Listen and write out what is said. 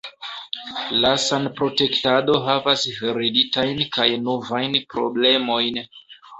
La sanprotektado havas hereditajn kaj novajn problemojn.